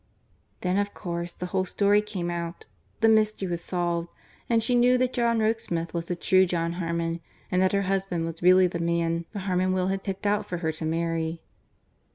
Then of course the whole story came out. The mystery was solved and she knew that John Rokesmith was the true John Harmon and that her husband was really the man the Harmon will had picked out for her to marry.